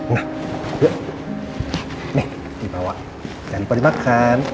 nih dibawa jangan lupa dimakan